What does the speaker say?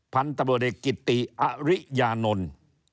พันธบเด็กกิตตีอาริยานนทร์